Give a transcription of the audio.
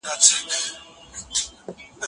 دلته په ژبه ډېر کار شوی دی.